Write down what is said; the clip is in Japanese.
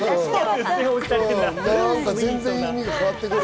全然意味が変わってくる。